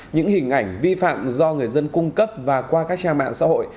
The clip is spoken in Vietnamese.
những hình ảnh vi phạm do người dân cung cấp và qua các trang mạng xã hội